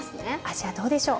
味はどうでしょう？